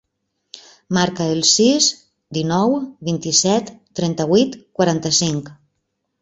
Marca el sis, dinou, vint-i-set, trenta-vuit, quaranta-cinc.